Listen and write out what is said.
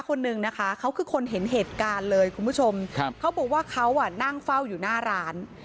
คนนึงนะคะเขาคือคนเห็นเหตุการณ์เลยคุณผู้ชมครับเขาบอกว่าเขาอ่ะนั่งเฝ้าอยู่หน้าร้าน